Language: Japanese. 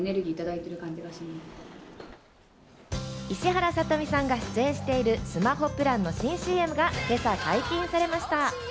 石原さとみさんが出演してるスマホプランの新ＣＭが今朝、解禁されました。